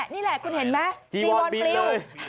นี่แหละขึ้นเห็นไหม